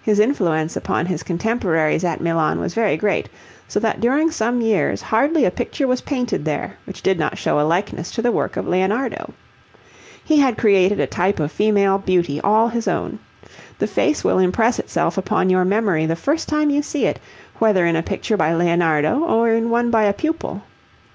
His influence upon his contemporaries at Milan was very great, so that during some years hardly a picture was painted there which did not show a likeness to the work of Leonardo. He had created a type of female beauty all his own. The face will impress itself upon your memory the first time you see it, whether in a picture by Leonardo or in one by a pupil.